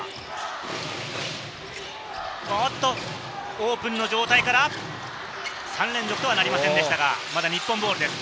オープンの状態から３連続とはなりませんでしたが、まだ日本ボールです。